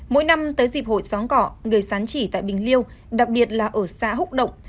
mỗi năm tới dịp hội xóm cọ người sán chỉ tại bình liêu đặc biệt là ở xã húc động